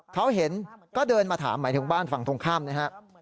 เขาเห็นก็เดินมาถามหมายถึงบ้านฝั่งตรงข้ามนะครับ